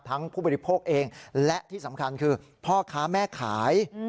ผู้บริโภคเองและที่สำคัญคือพ่อค้าแม่ขาย